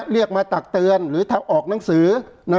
เรียกมาตักเตือนหรือถ้าออกหนังสือ